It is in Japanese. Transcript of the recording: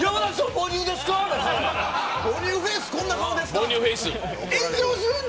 母乳フェースこんな顔ですか。